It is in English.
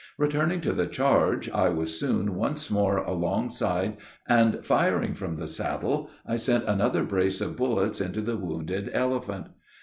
Returning to the charge, I was soon once more alongside and, firing from the saddle, I sent another brace of bullets into the wounded elephant.